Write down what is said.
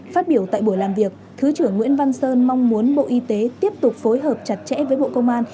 phát biểu tại buổi làm việc thứ trưởng nguyễn văn sơn mong muốn bộ y tế tiếp tục phối hợp chặt chẽ với bộ công an